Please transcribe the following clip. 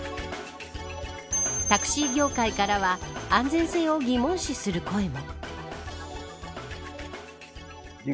タクシー業界からは安全性を疑問視する声も。